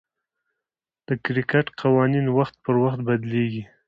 د کرکټ قوانين وخت پر وخت بدليږي.